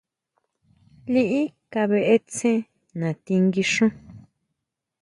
Liʼí kabʼe tse natí guixún.